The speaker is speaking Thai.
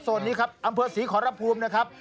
ส่วนนี้ครับอำเภอศรีขอรภูมินะครับ